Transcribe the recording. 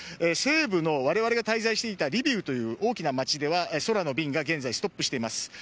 西部の我々が滞在していたリビウという大きな街では、空の便が現在ストップしています。